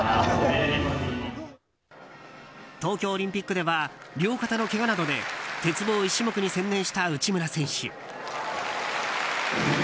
東京オリンピックでは両肩のけがなどで鉄棒１種目に専念した内村選手。